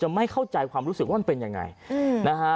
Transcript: ไม่เข้าใจความรู้สึกว่ามันเป็นยังไงนะฮะ